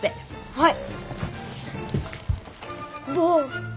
はい！